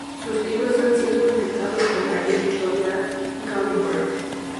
Sus libros han sido publicados por la editorial Gallimard.